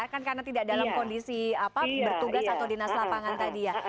kan karena tidak dalam kondisi bertugas atau dinas lapangan tadi ya